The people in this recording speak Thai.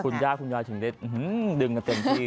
คุณย่าคุณยายเฉียงเร็จดึงกันเต็มที่